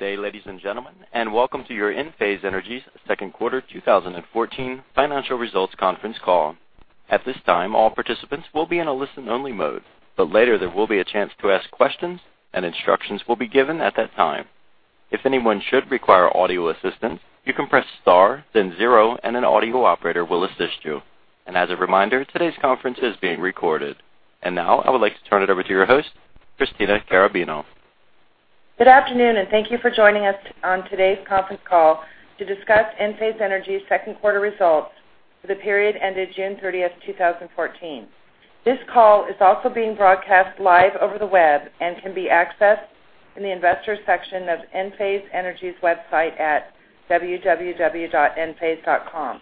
Good day, ladies and gentlemen, welcome to your Enphase Energy second quarter 2014 financial results conference call. At this time, all participants will be in a listen-only mode, later there will be a chance to ask questions, instructions will be given at that time. If anyone should require audio assistance, you can press star, then zero, and an audio operator will assist you. As a reminder, today's conference is being recorded. Now I would like to turn it over to your host, Christina Carrabino. Good afternoon, thank you for joining us on today's conference call to discuss Enphase Energy second quarter results for the period ended June 30th, 2014. This call is also being broadcast live over the web and can be accessed in the investor section of Enphase Energy's website at www.enphase.com.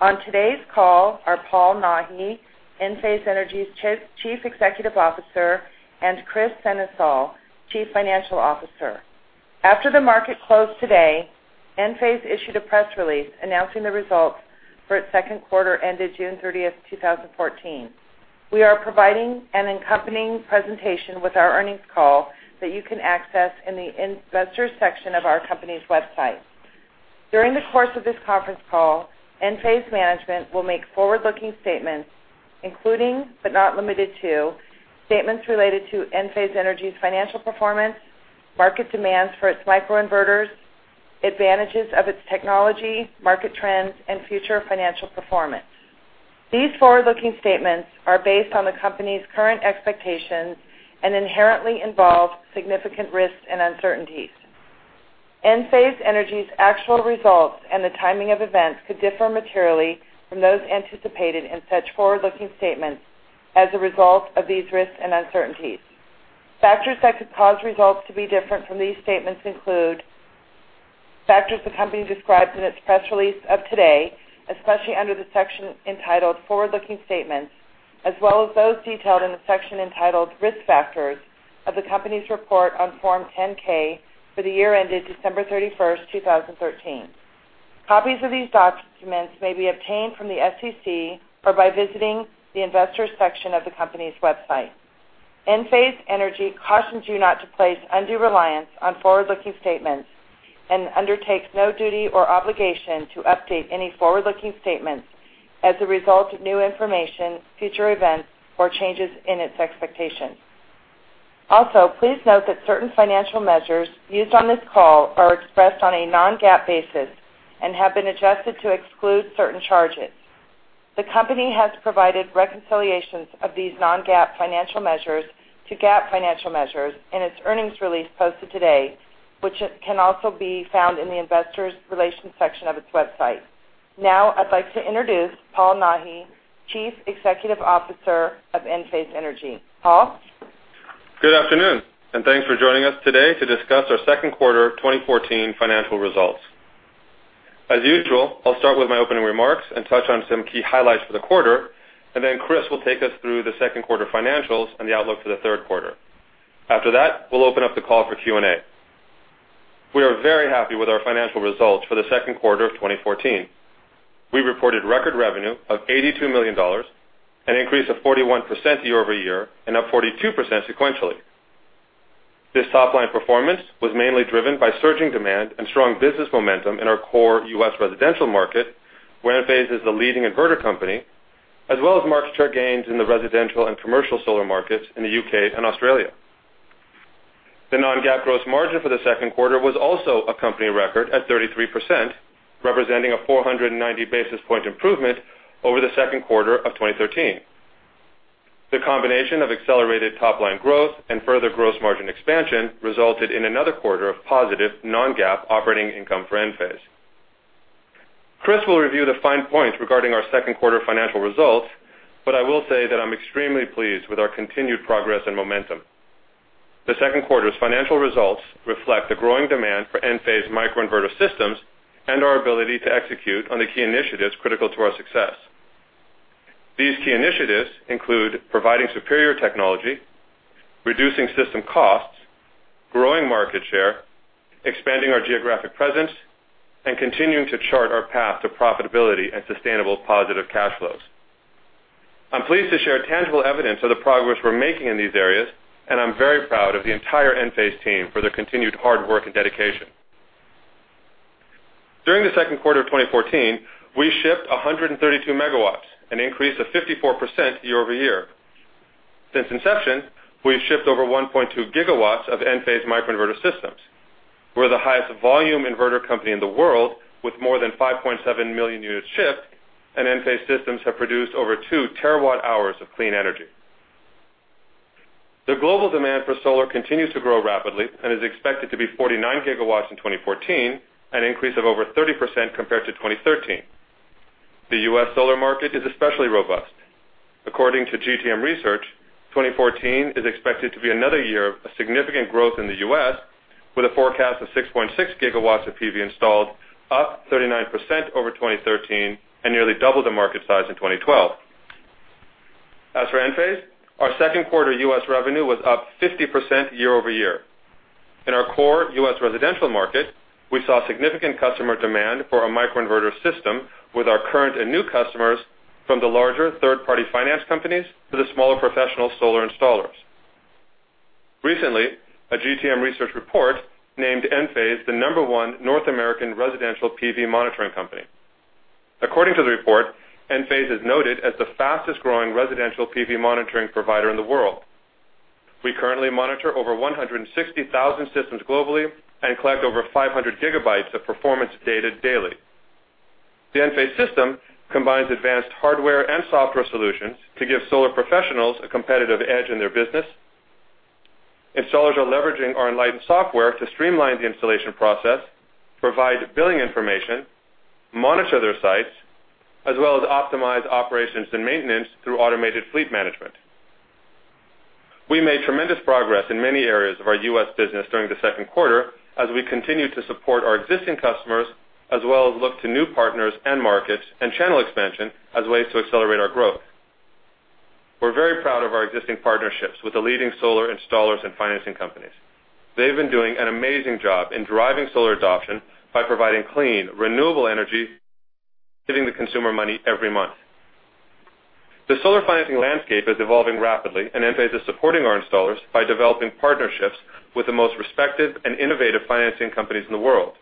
On today's call are Paul Nahi, Enphase Energy's Chief Executive Officer, and Kris Sennesael, Chief Financial Officer. After the market closed today, Enphase issued a press release announcing the results for its second quarter ended June 30th, 2014. We are providing an accompanying presentation with our earnings call that you can access in the investors section of our company's website. During the course of this conference call, Enphase management will make forward-looking statements including, but not limited to, statements related to Enphase Energy's financial performance, market demands for its microinverters, advantages of its technology, market trends, and future financial performance. These forward-looking statements are based on the company's current expectations, inherently involve significant risks and uncertainties. Enphase Energy's actual results and the timing of events could differ materially from those anticipated in such forward-looking statements as a result of these risks and uncertainties. Factors that could cause results to be different from these statements include factors the company describes in its press release of today, especially under the section entitled Forward-Looking Statements, as well as those detailed in the section entitled Risk Factors of the company's report on Form 10-K for the year ended December 31st, 2013. Copies of these documents may be obtained from the SEC or by visiting the investor section of the company's website. Enphase Energy cautions you not to place undue reliance on forward-looking statements, undertakes no duty or obligation to update any forward-looking statements as a result of new information, future events, or changes in its expectations. Please note that certain financial measures used on this call are expressed on a non-GAAP basis and have been adjusted to exclude certain charges. The company has provided reconciliations of these non-GAAP financial measures to GAAP financial measures in its earnings release posted today, which can also be found in the investors relations section of its website. I'd like to introduce Paul Nahi, Chief Executive Officer of Enphase Energy. Paul. Good afternoon, and thanks for joining us today to discuss our second quarter 2014 financial results. As usual, I'll start with my opening remarks and touch on some key highlights for the quarter. Then Kris will take us through the second quarter financials and the outlook for the third quarter. After that, we'll open up the call for Q&A. We are very happy with our financial results for the second quarter of 2014. We reported record revenue of $82 million, an increase of 41% year-over-year and up 42% sequentially. This top-line performance was mainly driven by surging demand and strong business momentum in our core U.S. residential market, where Enphase is the leading inverter company, as well as market share gains in the residential and commercial solar markets in the U.K. and Australia. The non-GAAP gross margin for the second quarter was also a company record at 33%, representing a 490-basis point improvement over the second quarter of 2013. The combination of accelerated top-line growth and further gross margin expansion resulted in another quarter of positive non-GAAP operating income for Enphase. Kris will review the fine points regarding our second quarter financial results, but I will say that I'm extremely pleased with our continued progress and momentum. The second quarter's financial results reflect the growing demand for Enphase microinverter systems and our ability to execute on the key initiatives critical to our success. These key initiatives include providing superior technology, reducing system costs, growing market share, expanding our geographic presence, and continuing to chart our path to profitability and sustainable positive cash flows. I'm pleased to share tangible evidence of the progress we're making in these areas. I'm very proud of the entire Enphase team for their continued hard work and dedication. During the second quarter of 2014, we shipped 132 megawatts, an increase of 54% year-over-year. Since inception, we've shipped over 1.2 gigawatts of Enphase microinverter systems. We're the highest volume inverter company in the world with more than 5.7 million units shipped. Enphase systems have produced over 2 terawatt-hours of clean energy. The global demand for solar continues to grow rapidly and is expected to be 49 gigawatts in 2014, an increase of over 30% compared to 2013. The U.S. solar market is especially robust. According to GTM Research, 2014 is expected to be another year of significant growth in the U.S., with a forecast of 6.6 gigawatts of PV installed, up 39% over 2013 and nearly double the market size in 2012. As for Enphase, our second quarter U.S. revenue was up 50% year-over-year. In our core U.S. residential market, we saw significant customer demand for our microinverter system with our current and new customers from the larger third-party finance companies to the smaller professional solar installers. Recently, a GTM Research report named Enphase the number 1 North American residential PV monitoring company. According to the report, Enphase is noted as the fastest-growing residential PV monitoring provider in the world. We currently monitor over 160,000 systems globally and collect over 500 gigabytes of performance data daily. The Enphase system combines advanced hardware and software solutions to give solar professionals a competitive edge in their business. Installers are leveraging our Enlighten software to streamline the installation process, provide billing information, monitor their sites, as well as optimize operations and maintenance through automated fleet management. We made tremendous progress in many areas of our U.S. business during the second quarter as we continued to support our existing customers as well as look to new partners and markets and channel expansion as ways to accelerate our growth. We're very proud of our existing partnerships with the leading solar installers and financing companies. They've been doing an amazing job in driving solar adoption by providing clean, renewable energy, giving the consumer money every month. The solar financing landscape is evolving rapidly, Enphase is supporting our installers by developing partnerships with the most respected and innovative financing companies in the world.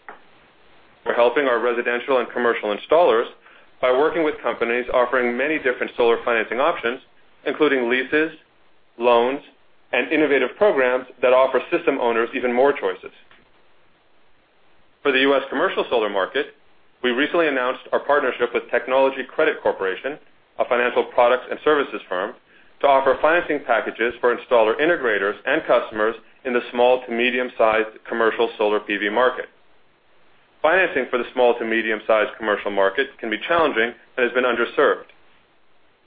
We're helping our residential and commercial installers by working with companies offering many different solar financing options, including leases, loans, and innovative programs that offer system owners even more choices. For the U.S. commercial solar market, we recently announced our partnership with Technology Credit Corporation, a financial product and services firm, to offer financing packages for installer integrators and customers in the small to medium-sized commercial solar PV market. Financing for the small to medium-sized commercial market can be challenging and has been underserved.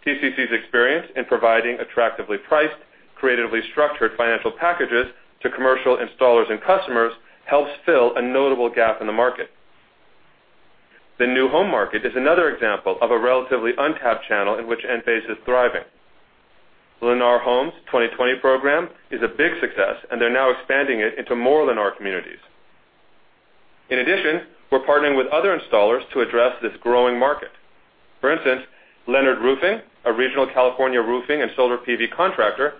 TCC's experience in providing attractively priced, creatively structured financial packages to commercial installers and customers helps fill a notable gap in the market. The new home market is another example of a relatively untapped channel in which Enphase is thriving. Lennar Homes' 2020 program is a big success, They're now expanding it into more Lennar communities. In addition, we're partnering with other installers to address this growing market. For instance, Leonard Roofing, a regional California roofing and solar PV contractor,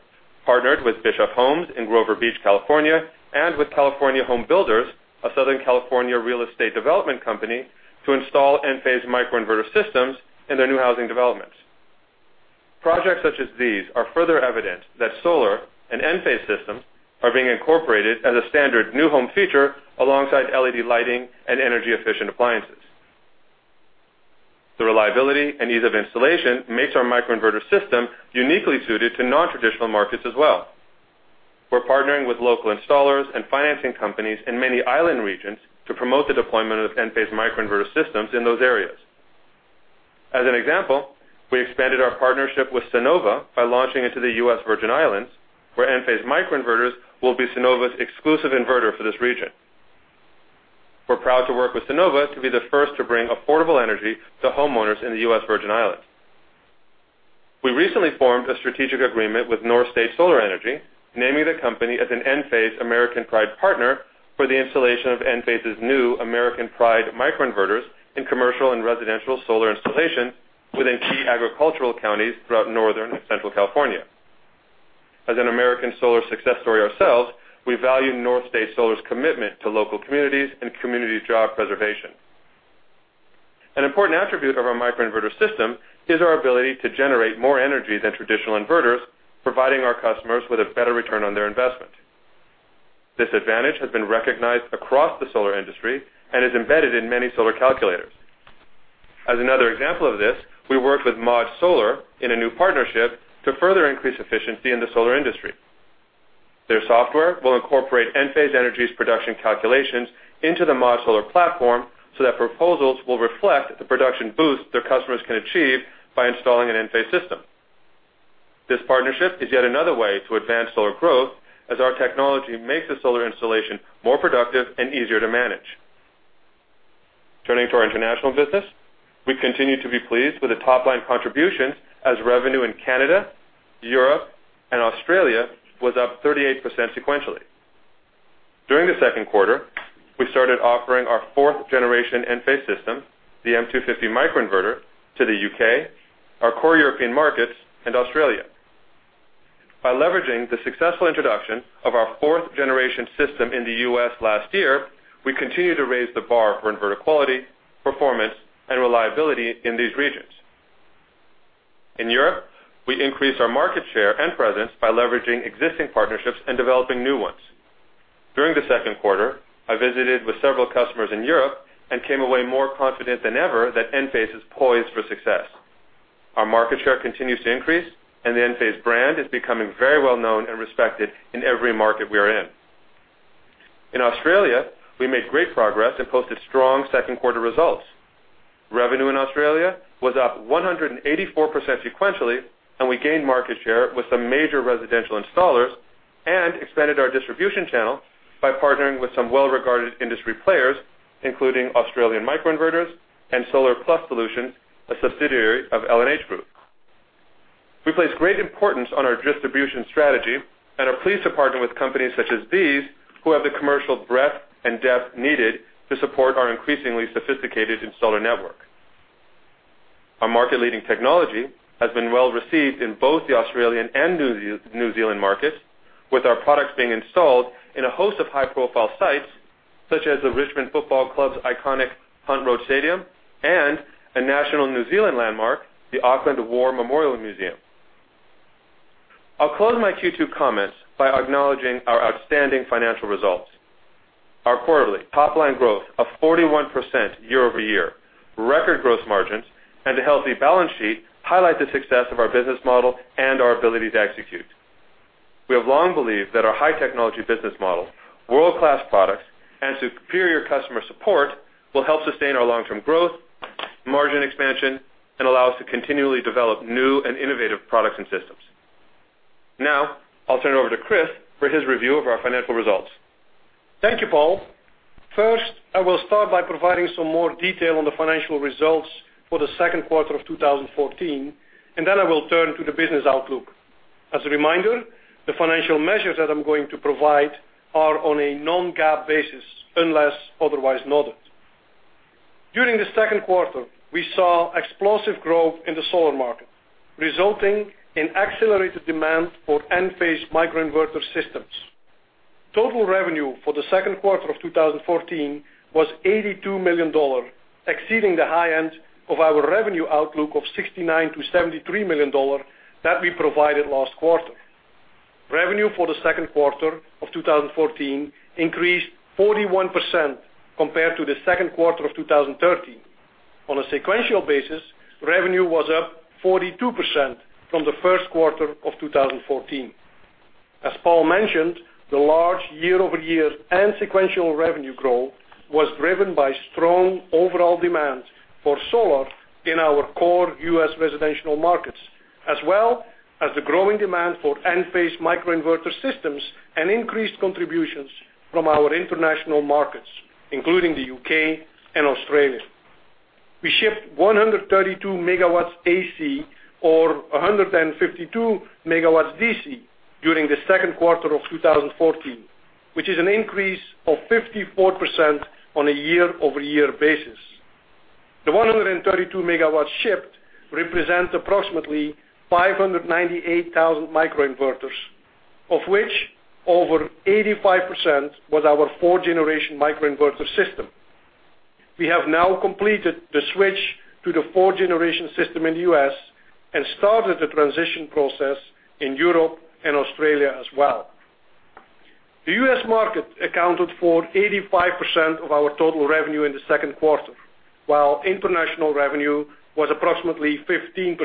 partnered with Bishop Homes in Grover Beach, California, with California Home Builders, a Southern California real estate development company, to install Enphase microinverter systems in their new housing developments. Projects such as these are further evidence that solar and Enphase systems are being incorporated as a standard new home feature alongside LED lighting and energy-efficient appliances. The reliability and ease of installation makes our microinverter system uniquely suited to non-traditional markets as well. We're partnering with local installers and financing companies in many island regions to promote the deployment of Enphase microinverter systems in those areas. As an example, we expanded our partnership with Sunnova by launching into the U.S. Virgin Islands, where Enphase microinverters will be Sunnova's exclusive inverter for this region. We're proud to work with Sunnova to be the first to bring affordable energy to homeowners in the U.S. Virgin Islands. We recently formed a strategic agreement with North State Solar Energy, naming the company as an Enphase American Pride partner for the installation of Enphase's new American Pride microinverters in commercial and residential solar installations within key agricultural counties throughout northern and central California. As an American solar success story ourselves, we value North State Solar's commitment to local communities and community job preservation. An important attribute of our microinverter system is our ability to generate more energy than traditional inverters, providing our customers with a better return on their investment. This advantage has been recognized across the solar industry and is embedded in many solar calculators. As another example of this, we worked with ModSolar in a new partnership to further increase efficiency in the solar industry. Their software will incorporate Enphase Energy's production calculations into the ModSolar platform so that proposals will reflect the production boost their customers can achieve by installing an Enphase system. This partnership is yet another way to advance solar growth as our technology makes the solar installation more productive and easier to manage. Turning to our international business. We continue to be pleased with the top-line contribution as revenue in Canada, Europe, and Australia was up 38% sequentially. During the second quarter, we started offering our fourth generation Enphase system, the M250 microinverter, to the U.K., our core European markets, and Australia. By leveraging the successful introduction of our fourth generation system in the U.S. last year, we continue to raise the bar for inverter quality, performance, and reliability in these regions. In Europe, we increased our market share and presence by leveraging existing partnerships and developing new ones. During the second quarter, I visited with several customers in Europe and came away more confident than ever that Enphase is poised for success. Our market share continues to increase, and the Enphase brand is becoming very well-known and respected in every market we are in. In Australia, we made great progress and posted strong second quarter results. Revenue in Australia was up 184% sequentially. We gained market share with some major residential installers and expanded our distribution channel by partnering with some well-regarded industry players, including Australian Microinverters and Solar+Solutions, a subsidiary of L&H Group. We place great importance on our distribution strategy and are pleased to partner with companies such as these, who have the commercial breadth and depth needed to support our increasingly sophisticated installer network. Our market-leading technology has been well-received in both the Australian and New Zealand markets, with our products being installed in a host of high-profile sites, such as the Richmond Football Club's iconic Punt Road Stadium and a national New Zealand landmark, the Auckland War Memorial Museum. I'll close my Q2 comments by acknowledging our outstanding financial results. Our quarterly top-line growth of 41% year-over-year, record growth margins, and a healthy balance sheet highlight the success of our business model and our ability to execute. We have long believed that our high technology business model, world-class products, and superior customer support will help sustain our long-term growth, margin expansion, and allow us to continually develop new and innovative products and systems. I'll turn it over to Kris for his review of our financial results. Thank you, Paul. First, I will start by providing some more detail on the financial results for the second quarter of 2014. Then I will turn to the business outlook. As a reminder, the financial measures that I'm going to provide are on a non-GAAP basis, unless otherwise noted. During the second quarter, we saw explosive growth in the solar market, resulting in accelerated demand for Enphase microinverter systems. Total revenue for the second quarter of 2014 was $82 million, exceeding the high end of our revenue outlook of $69 million to $73 million that we provided last quarter. Revenue for the second quarter of 2014 increased 41% compared to the second quarter of 2013. On a sequential basis, revenue was up 42% from the first quarter of 2014. As Paul mentioned, the large year-over-year and sequential revenue growth was driven by strong overall demand for solar in our core U.S. residential markets, as well as the growing demand for Enphase microinverter systems and increased contributions from our international markets, including the U.K. and Australia. We shipped 132 megawatts AC or 152 megawatts DC during the second quarter of 2014, which is an increase of 54% on a year-over-year basis. The 132 megawatts shipped represent approximately 598,000 microinverters, of which over 85% was our fourth-generation microinverter system. We have now completed the switch to the fourth-generation system in the U.S. and started the transition process in Europe and Australia as well. The U.S. market accounted for 85% of our total revenue in the second quarter, while international revenue was approximately 15%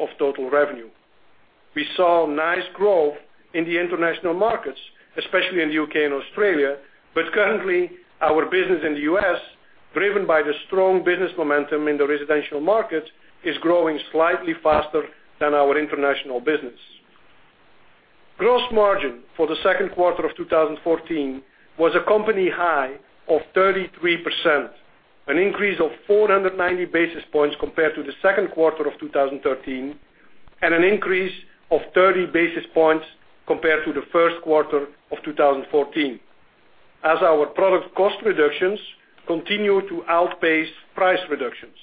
of total revenue. We saw nice growth in the international markets, especially in the U.K. and Australia. Currently, our business in the U.S., driven by the strong business momentum in the residential market, is growing slightly faster than our international business. Gross margin for the second quarter of 2014 was a company high of 33%, an increase of 490 basis points compared to the second quarter of 2013, and an increase of 30 basis points compared to the first quarter of 2014, as our product cost reductions continue to outpace price reductions.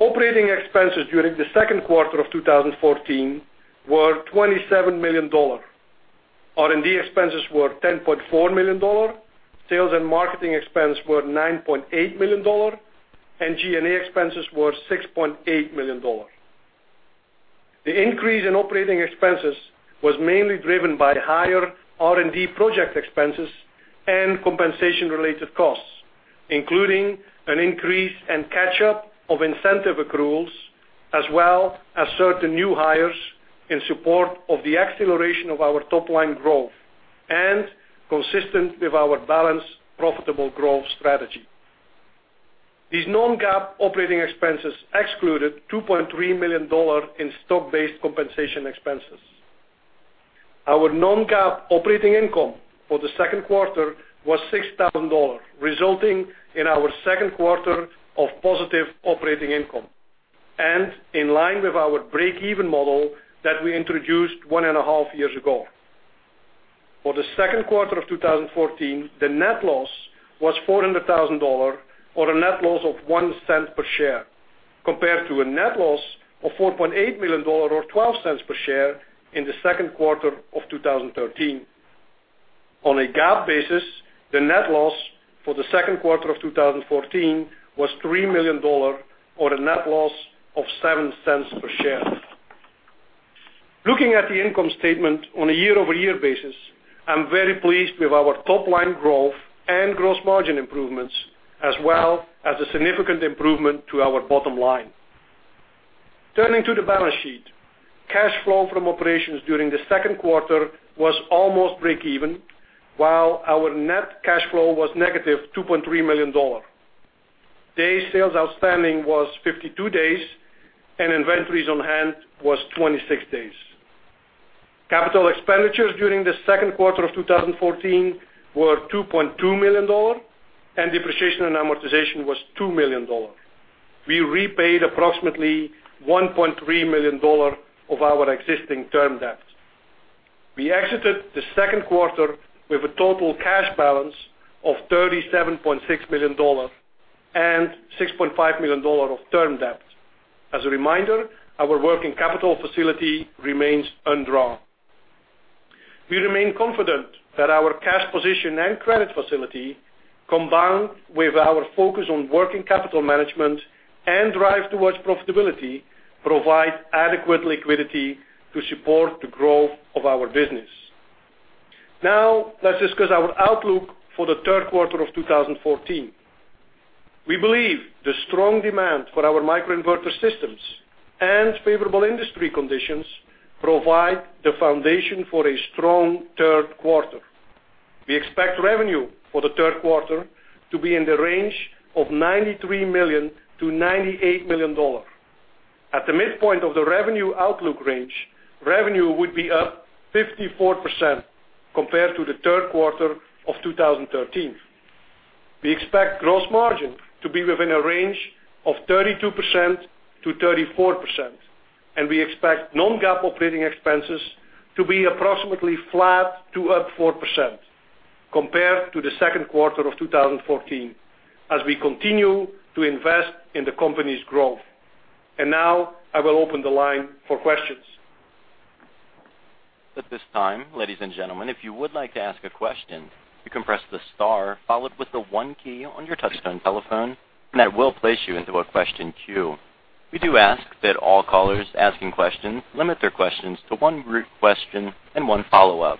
Operating expenses during the second quarter of 2014 were $27 million. R&D expenses were $10.4 million. Sales and marketing expense were $9.8 million, and G&A expenses were $6.8 million. The increase in operating expenses was mainly driven by higher R&D project expenses and compensation-related costs, including an increase and catch-up of incentive accruals, as well as certain new hires in support of the acceleration of our top-line growth, and consistent with our balanced, profitable growth strategy. These non-GAAP operating expenses excluded $2.3 million in stock-based compensation expenses. Our non-GAAP operating income for the second quarter was $6,000, resulting in our second quarter of positive operating income and in line with our break-even model that we introduced one and a half years ago. For the second quarter of 2014, the net loss was $400,000, or a net loss of $0.01 per share, compared to a net loss of $4.8 million or $0.12 per share in the second quarter of 2013. On a GAAP basis, the net loss for the second quarter of 2014 was $3 million, or a net loss of $0.07 per share. Looking at the income statement on a year-over-year basis, I'm very pleased with our top-line growth and gross margin improvements, as well as the significant improvement to our bottom line. Turning to the balance sheet. Cash flow from operations during the second quarter was almost break even, while our net cash flow was negative $2.3 million. Days sales outstanding was 52 days, and inventories on hand was 26 days. Capital expenditures during the second quarter of 2014 were $2.2 million, and depreciation and amortization was $2 million. We repaid approximately $1.3 million of our existing term debt. We exited the second quarter with a total cash balance of $37.6 million and $6.5 million of term debt. As a reminder, our working capital facility remains undrawn. We remain confident that our cash position and credit facility, combined with our focus on working capital management and drive towards profitability, provide adequate liquidity to support the growth of our business. Let's discuss our outlook for the third quarter of 2014. We believe the strong demand for our microinverter systems and favorable industry conditions provide the foundation for a strong third quarter. We expect revenue for the third quarter to be in the range of $93 million-$98 million. At the midpoint of the revenue outlook range, revenue would be up 54% compared to the third quarter of 2013. We expect gross margin to be within a range of 32%-34%, and we expect non-GAAP operating expenses to be approximately flat to up 4% compared to the second quarter of 2014, as we continue to invest in the company's growth. Now I will open the line for questions. At this time, ladies and gentlemen, if you would like to ask a question, you can press the star followed with the one key on your touchtone telephone, and that will place you into a question queue. We do ask that all callers asking questions limit their questions to one root question and one follow-up.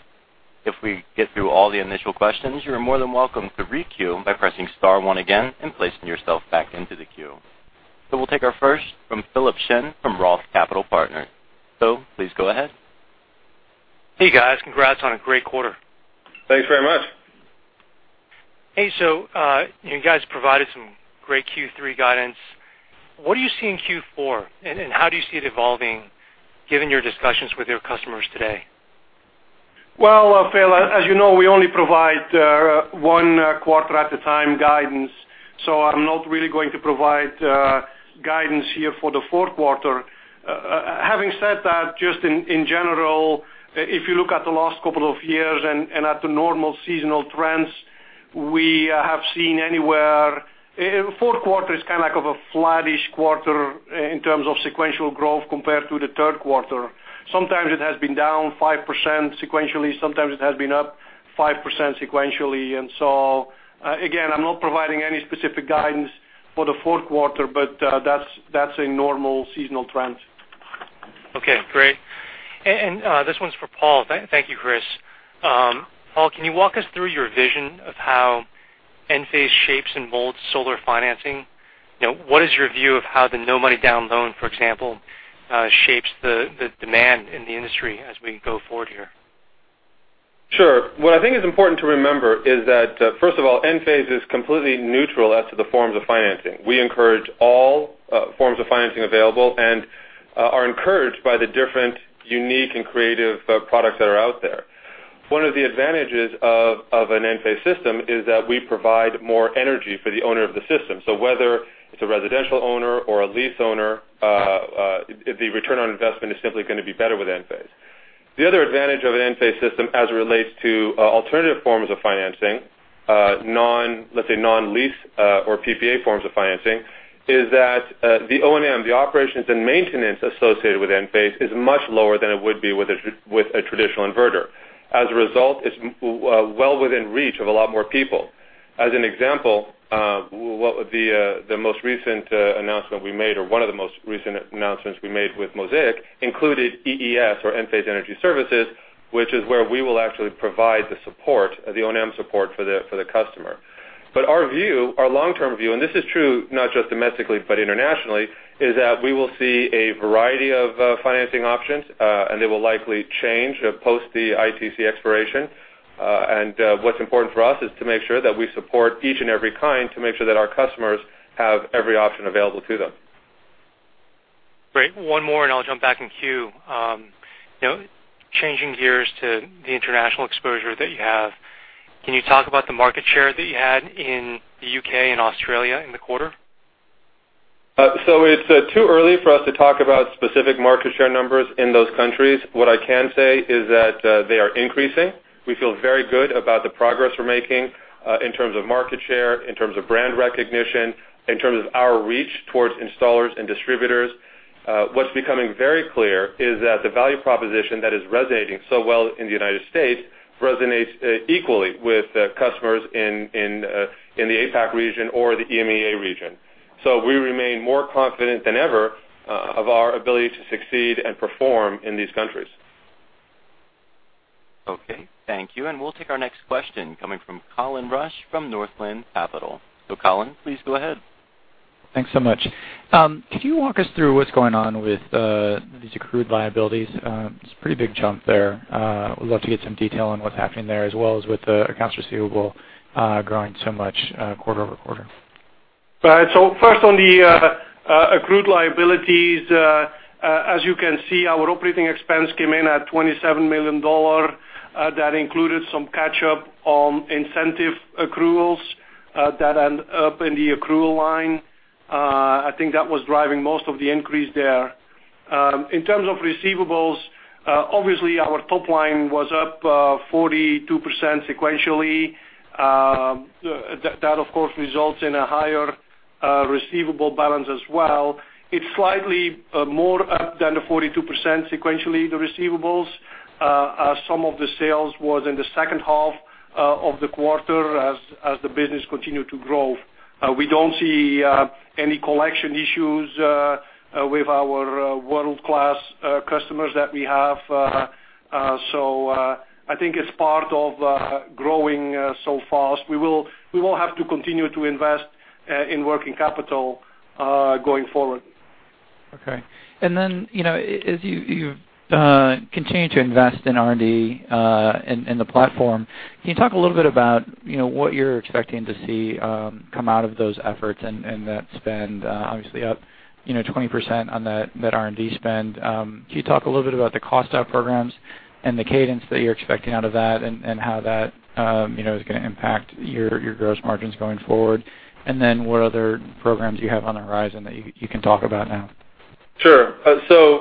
If we get through all the initial questions, you are more than welcome to re-queue by pressing star one again and placing yourself back into the queue. We'll take our first from Philip Shen from Roth Capital Partners. Phil, please go ahead. Hey, guys. Congrats on a great quarter. Thanks very much. Hey, you guys provided some great Q3 guidance. What are you seeing in Q4, and how do you see it evolving given your discussions with your customers today? Well, Phil, as you know, we only provide one quarter at a time guidance, I'm not really going to provide guidance here for the fourth quarter. Having said that, just in general, if you look at the last couple of years and at the normal seasonal trends, fourth quarter is kind of a flattish quarter in terms of sequential growth compared to the third quarter. Sometimes it has been down 5% sequentially. Sometimes it has been up 5% sequentially. Again, I'm not providing any specific guidance for the fourth quarter, but that's a normal seasonal trend. Okay, great. This one's for Paul. Thank you, Kris. Paul, can you walk us through your vision of how Enphase shapes and molds solar financing? What is your view of how the no-money-down loan, for example, shapes the demand in the industry as we go forward here? Sure. What I think is important to remember is that, first of all, Enphase is completely neutral as to the forms of financing. We encourage all forms of financing available and are encouraged by the different unique and creative products that are out there. One of the advantages of an Enphase system is that we provide more energy for the owner of the system. Whether it's a residential owner or a lease owner, the return on investment is simply going to be better with Enphase. The other advantage of an Enphase system as it relates to alternative forms of financing, let's say non-lease or PPA forms of financing, is that the O&M, the operations and maintenance associated with Enphase is much lower than it would be with a traditional inverter. As a result, it's well within reach of a lot more people. As an example, the most recent announcement we made, or one of the most recent announcements we made with Mosaic, included EES, or Enphase Energy Services, which is where we will actually provide the O&M support for the customer. Our long-term view, and this is true not just domestically, but internationally, is that we will see a variety of financing options, and they will likely change post the ITC expiration. What's important for us is to make sure that we support each and every kind to make sure that our customers have every option available to them. Great. One more, I'll jump back in queue. Changing gears to the international exposure that you have, can you talk about the market share that you had in the U.K. and Australia in the quarter? It's too early for us to talk about specific market share numbers in those countries. What I can say is that they are increasing. We feel very good about the progress we're making, in terms of market share, in terms of brand recognition, in terms of our reach towards installers and distributors. What's becoming very clear is that the value proposition that is resonating so well in the United States resonates equally with customers in the APAC region or the EMEA region. We remain more confident than ever of our ability to succeed and perform in these countries. Okay, thank you. We'll take our next question coming from Colin Rusch from Northland Capital. Colin, please go ahead. Thanks so much. Could you walk us through what's going on with these accrued liabilities? It's a pretty big jump there. Would love to get some detail on what's happening there as well as with the accounts receivable growing so much quarter-over-quarter. Right. First on the accrued liabilities, as you can see, our operating expense came in at $27 million. That included some catch-up on incentive accruals that end up in the accrual line. I think that was driving most of the increase there. In terms of receivables, obviously our top line was up 42% sequentially. That of course, results in a higher receivable balance as well. It's slightly more up than the 42% sequentially, the receivables, as some of the sales was in the second half of the quarter as the business continued to grow. We don't see any collection issues with our world-class customers that we have. I think it's part of growing so fast. We will have to continue to invest in working capital, going forward. Okay. As you continue to invest in R&D, in the platform, can you talk a little bit about what you're expecting to see come out of those efforts and that spend, obviously up 20% on that R&D spend? Can you talk a little bit about the cost out programs and the cadence that you're expecting out of that and how that is going to impact your gross margins going forward? What other programs you have on the horizon that you can talk about now? Sure.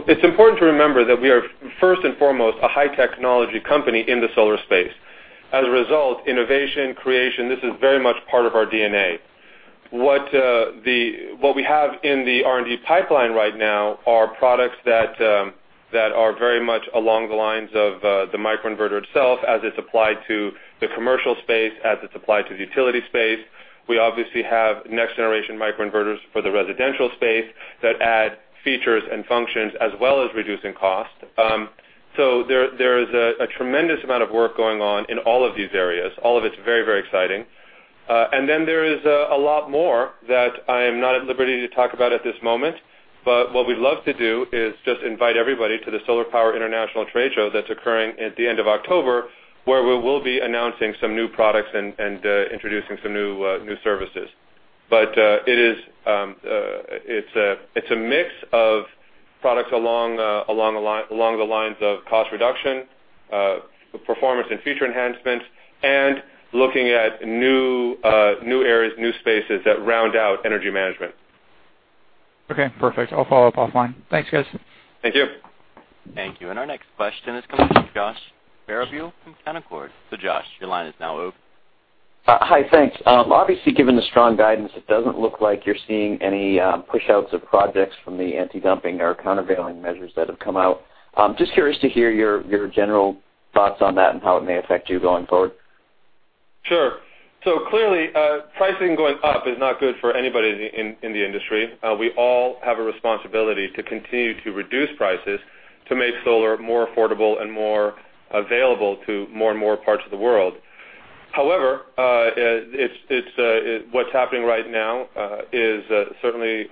It's important to remember that we are first and foremost, a high technology company in the solar space. As a result, innovation, creation, this is very much part of our DNA. What we have in the R&D pipeline right now are products that are very much along the lines of the microinverter itself as it's applied to the commercial space, as it's applied to the utility space. We obviously have next-generation microinverters for the residential space that add features and functions as well as reducing cost. There is a tremendous amount of work going on in all of these areas. All of it's very, very exciting. There is a lot more that I am not at liberty to talk about at this moment, but what we'd love to do is just invite everybody to the Solar Power International trade show that's occurring at the end of October, where we will be announcing some new products and introducing some new services. It's a mix of products along the lines of cost reduction, performance, and feature enhancements, and looking at new areas, new spaces that round out energy management. Okay, perfect. I'll follow up offline. Thanks, guys. Thank you. Thank you. Our next question is coming from Josh Sharan from Canaccord. Josh, your line is now open. Hi, thanks. Obviously, given the strong guidance, it doesn't look like you're seeing any pushouts of projects from the anti-dumping or countervailing measures that have come out. Just curious to hear your general thoughts on that and how it may affect you going forward. Sure. Clearly, pricing going up is not good for anybody in the industry. We all have a responsibility to continue to reduce prices to make solar more affordable and more available to more and more parts of the world. However, what's happening right now is certainly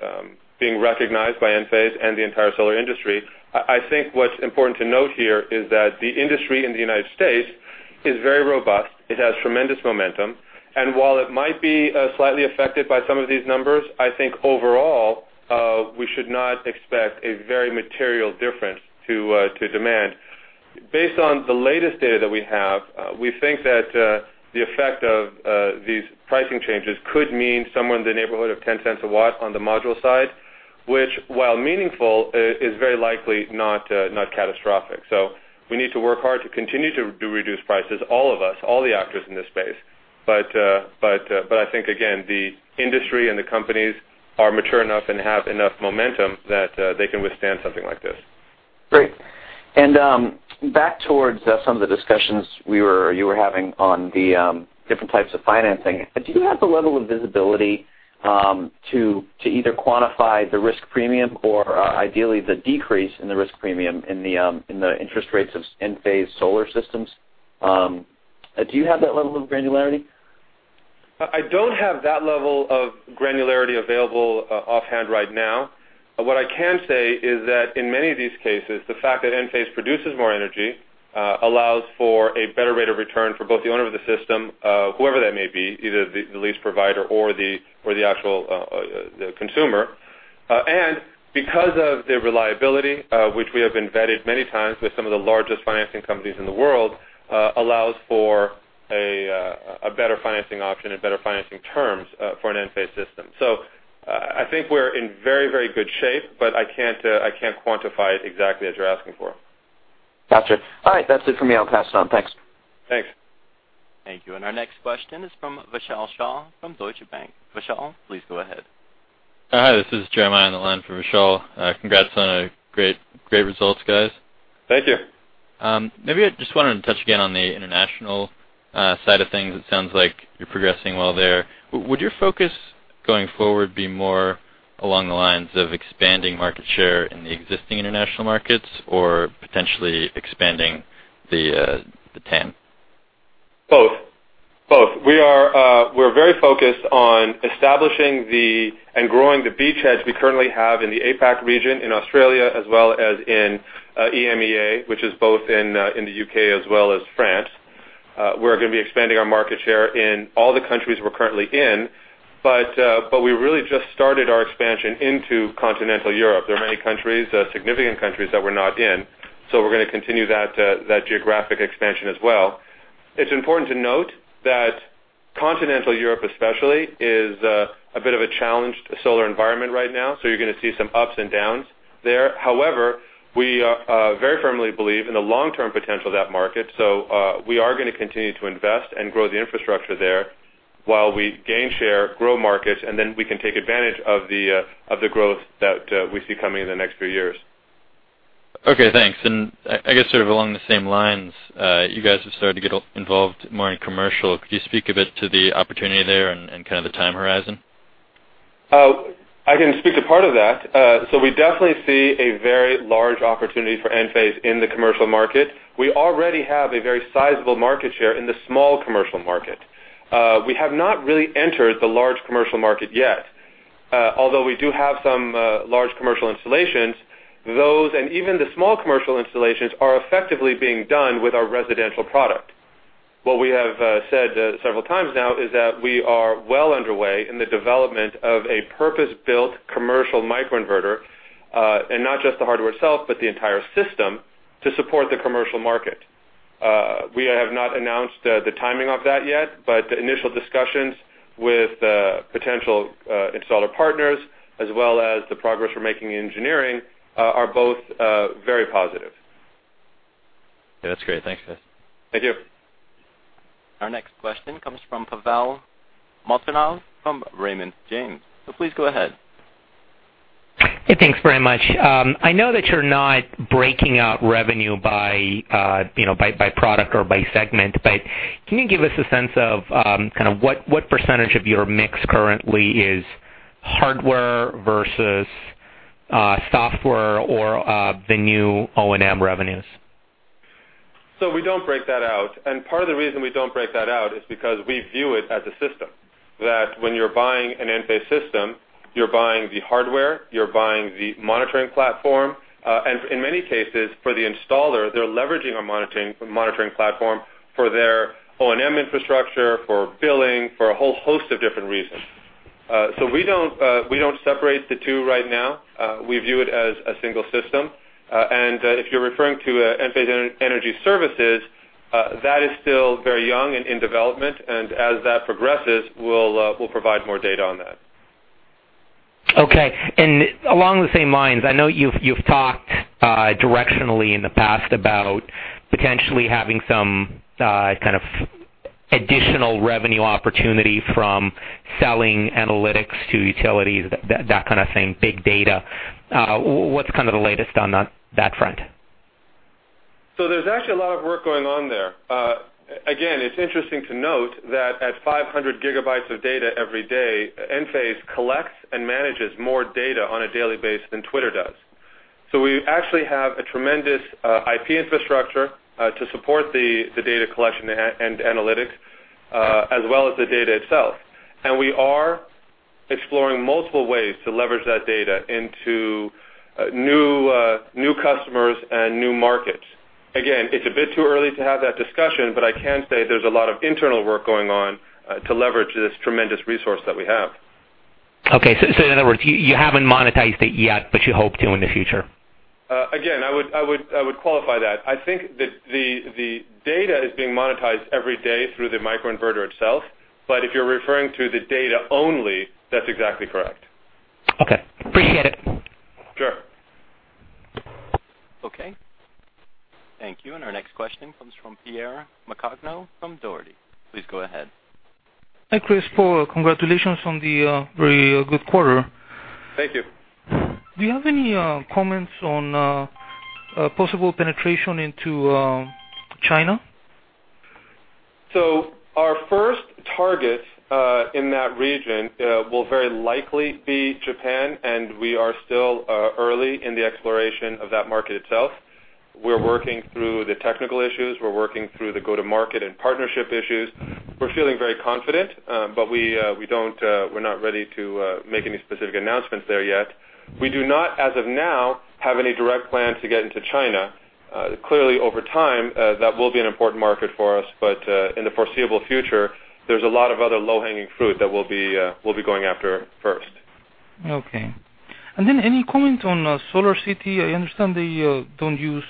being recognized by Enphase and the entire solar industry. I think what's important to note here is that the industry in the United States is very robust. It has tremendous momentum, and while it might be slightly affected by some of these numbers, I think overall, we should not expect a very material difference to demand. Based on the latest data that we have, we think that the effect of these pricing changes could mean somewhere in the neighborhood of $0.10 a watt on the module side, which, while meaningful, is very likely not catastrophic. We need to work hard to continue to reduce prices, all of us, all the actors in this space. I think, again, the industry and the companies are mature enough and have enough momentum that they can withstand something like this. Great. Back towards some of the discussions you were having on the different types of financing. Do you have the level of visibility to either quantify the risk premium or ideally the decrease in the risk premium in the interest rates of Enphase solar systems? Do you have that level of granularity? I don't have that level of granularity available offhand right now. What I can say is that in many of these cases, the fact that Enphase produces more energy allows for a better rate of return for both the owner of the system, whoever that may be, either the lease provider or the actual consumer. Because of the reliability, which we have been vetted many times with some of the largest financing companies in the world, allows for a better financing option and better financing terms for an Enphase system. I think we're in very, very good shape, but I can't quantify it exactly as you're asking for. Got you. All right, that's it for me. I'll pass it on. Thanks. Thanks. Thank you. Our next question is from Vishal Shah from Deutsche Bank. Vishal, please go ahead. Hi, this is Jeremiah on the line for Vishal. Congrats on great results, guys. Thank you. Maybe I just wanted to touch again on the international side of things. It sounds like you're progressing well there. Would your focus going forward be more along the lines of expanding market share in the existing international markets, or potentially expanding the TAM? Both. We're very focused on establishing and growing the beachheads we currently have in the APAC region, in Australia, as well as in EMEA, which is both in the U.K. as well as France. We're going to be expanding our market share in all the countries we're currently in, but we really just started our expansion into Continental Europe. There are many significant countries that we're not in. We're going to continue that geographic expansion as well. It's important to note that Continental Europe especially, is a bit of a challenged solar environment right now, so you're going to see some ups and downs there. However, we very firmly believe in the long-term potential of that market, so we are going to continue to invest and grow the infrastructure there while we gain share, grow markets, and then we can take advantage of the growth that we see coming in the next few years. Okay, thanks. I guess sort of along the same lines, you guys have started to get involved more in commercial. Could you speak a bit to the opportunity there and kind of the time horizon? I can speak to part of that. We definitely see a very large opportunity for Enphase in the commercial market. We already have a very sizable market share in the small commercial market. We have not really entered the large commercial market yet. Although we do have some large commercial installations, those and even the small commercial installations are effectively being done with our residential product. What we have said several times now is that we are well underway in the development of a purpose-built commercial microinverter, and not just the hardware itself, but the entire system to support the commercial market. We have not announced the timing of that yet, but the initial discussions with potential installer partners as well as the progress we're making in engineering, are both very positive. Yeah, that's great. Thanks, guys. Thank you. Our next question comes from Pavel Molchanov from Raymond James. Please go ahead. Hey, thanks very much. I know that you're not breaking out revenue by product or by segment, can you give us a sense of what percentage of your mix currently is hardware versus software or the new O&M revenues? We don't break that out. Part of the reason we don't break that out is because we view it as a system. That when you're buying an Enphase system, you're buying the hardware, you're buying the monitoring platform, and in many cases, for the installer, they're leveraging our monitoring platform for their O&M infrastructure, for billing, for a whole host of different reasons. We don't separate the two right now. We view it as a single system. If you're referring to Enphase Energy Services, that is still very young and in development, and as that progresses, we'll provide more data on that. Okay. Along the same lines, I know you've talked directionally in the past about potentially having some kind of additional revenue opportunity from selling analytics to utilities, that kind of thing, big data. What's the latest on that front? There's actually a lot of work going on there. Again, it's interesting to note that at 500 gigabytes of data every day, Enphase collects and manages more data on a daily basis than Twitter does. We actually have a tremendous IP infrastructure to support the data collection and analytics, as well as the data itself. We are exploring multiple ways to leverage that data into new customers and new markets. Again, it's a bit too early to have that discussion, but I can say there's a lot of internal work going on to leverage this tremendous resource that we have. Okay. In other words, you haven't monetized it yet, but you hope to in the future. Again, I would qualify that. I think that the data is being monetized every day through the microinverter itself. If you're referring to the data only, that's exactly correct. Okay. Appreciate it. Sure. Okay. Thank you. Our next question comes from Piero Piccagnoni from Dougherty. Please go ahead. Hi, Kris, Paul. Congratulations on the very good quarter. Thank you. Do you have any comments on possible penetration into China? Our first target in that region will very likely be Japan, and we are still early in the exploration of that market itself. We're working through the technical issues. We're working through the go-to-market and partnership issues. We're feeling very confident, we're not ready to make any specific announcements there yet. We do not, as of now, have any direct plans to get into China. Clearly over time, that will be an important market for us, but in the foreseeable future, there's a lot of other low-hanging fruit that we'll be going after first. Okay. Any comment on SolarCity? I understand they don't use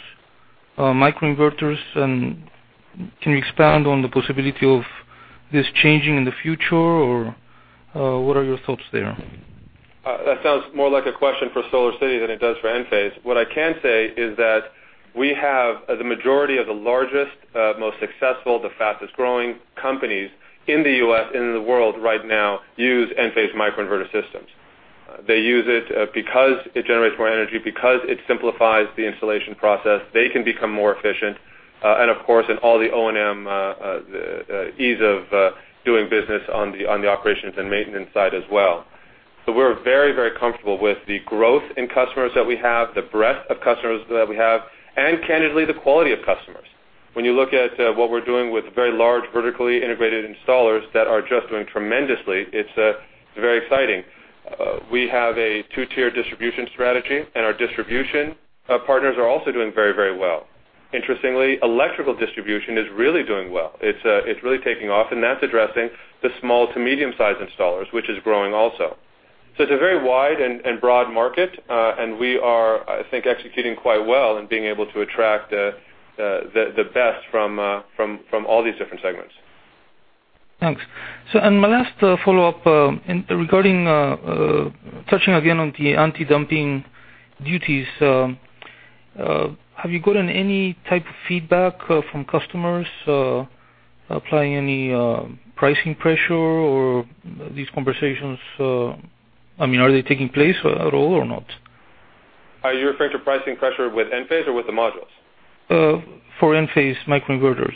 microinverters. Can you expand on the possibility of this changing in the future, or what are your thoughts there? That sounds more like a question for SolarCity than it does for Enphase. What I can say is that we have the majority of the largest, most successful, the fastest-growing companies in the U.S., and in the world right now, use Enphase microinverter systems. They use it because it generates more energy, because it simplifies the installation process. They can become more efficient, and of course, in all the O&M, ease of doing business on the operations and maintenance side as well. We're very comfortable with the growth in customers that we have, the breadth of customers that we have, and candidly, the quality of customers. When you look at what we're doing with very large, vertically integrated installers that are just doing tremendously, it's very exciting. We have a two-tier distribution strategy, and our distribution partners are also doing very well. Interestingly, electrical distribution is really doing well. It's really taking off, and that's addressing the small to medium-size installers, which is growing also. It's a very wide and broad market. We are, I think, executing quite well and being able to attract the best from all these different segments. Thanks. My last follow-up regarding touching again on the anti-dumping duties, have you gotten any type of feedback from customers applying any pricing pressure or these conversations, are they taking place at all or not? Are you referring to pricing pressure with Enphase or with the modules? For Enphase microinverters.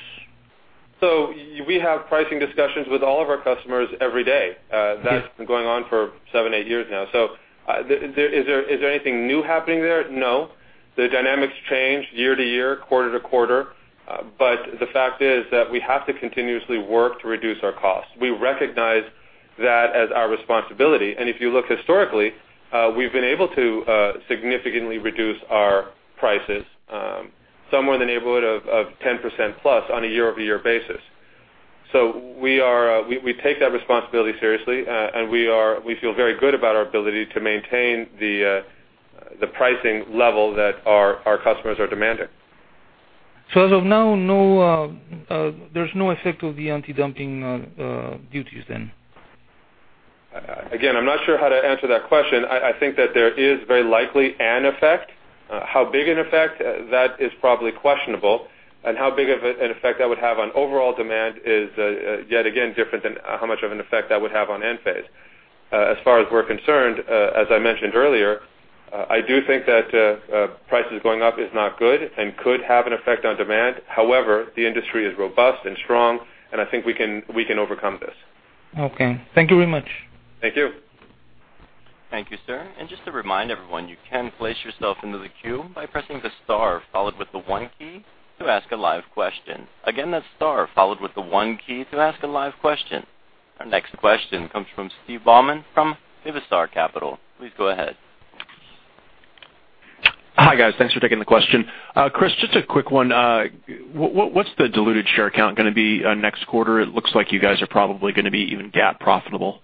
We have pricing discussions with all of our customers every day. Okay. That's been going on for seven, eight years now. Is there anything new happening there? No. The dynamics change year-to-year, quarter-to-quarter. The fact is that we have to continuously work to reduce our costs. We recognize that as our responsibility. If you look historically, we've been able to significantly reduce our prices, somewhere in the neighborhood of 10% plus on a year-over-year basis. We take that responsibility seriously. We feel very good about our ability to maintain the pricing level that our customers are demanding. As of now, there's no effect of the anti-dumping duties then? I'm not sure how to answer that question. I think that there is very likely an effect. How big an effect? That is probably questionable. How big of an effect that would have on overall demand is, yet again, different than how much of an effect that would have on Enphase. As far as we're concerned, as I mentioned earlier, I do think that prices going up is not good and could have an effect on demand. The industry is robust and strong, and I think we can overcome this. Thank you very much. Thank you. Thank you, sir. Just to remind everyone, you can place yourself into the queue by pressing the star followed with the one key to ask a live question. Again, that's star followed with the one key to ask a live question. Our next question comes from Steve Bowen from Vivistar Capital. Please go ahead. Hi, guys. Thanks for taking the question. Kris, just a quick one. What's the diluted share count going to be next quarter? It looks like you guys are probably going to be even GAAP profitable.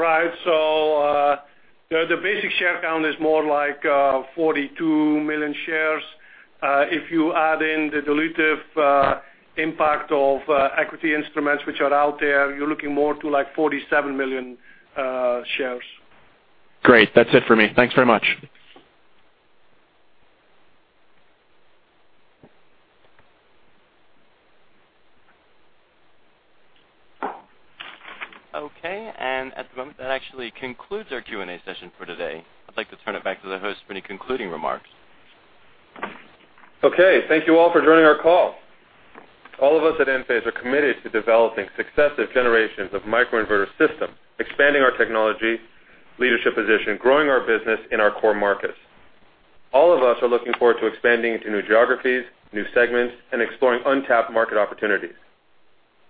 Right. The basic share count is more like 42 million shares. If you add in the dilutive impact of equity instruments which are out there, you're looking more to like 47 million shares. Great. That's it for me. Thanks very much. Okay. At the moment, that actually concludes our Q&A session for today. I'd like to turn it back to the host for any concluding remarks. Okay. Thank you all for joining our call. All of us at Enphase are committed to developing successive generations of microinverter system, expanding our technology leadership position, growing our business in our core markets. All of us are looking forward to expanding into new geographies, new segments, and exploring untapped market opportunities.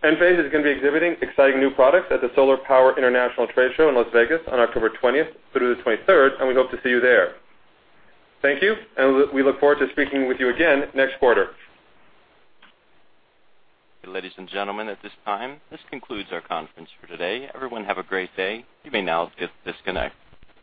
Enphase is going to be exhibiting exciting new products at the Solar Power International Trade Show in Las Vegas on October 20th through the 23rd, and we hope to see you there. Thank you, and we look forward to speaking with you again next quarter. Ladies and gentlemen, at this time, this concludes our conference for today. Everyone, have a great day. You may now disconnect.